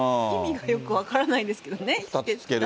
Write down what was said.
筋肉がよく分からないんですけどね。